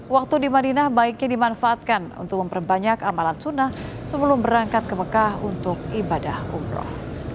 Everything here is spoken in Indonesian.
waktu di madinah baiki dimanfaatkan untuk memperbanyak amalan sunnah sebelum berangkat ke mekah untuk ibadah umroh